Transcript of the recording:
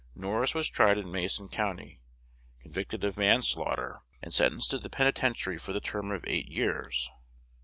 Norris was tried in Mason County, convicted of manslaughter, and sentenced to the penitentiary for the term of eight years.